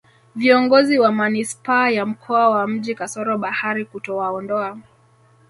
viongozi wa manispaa ya mkoa wa mji kasoro bahari kutowaondoa